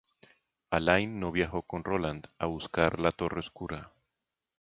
Alain no viajó con Roland a buscar la Torre Oscura.